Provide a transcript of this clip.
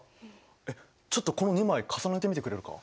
えっちょっとこの２枚重ねてみてくれるか？